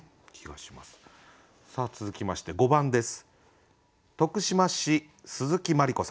さあ続きまして５番です。